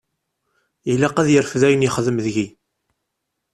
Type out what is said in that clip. Ilaq ad yerfed ayen yexdem deg-i.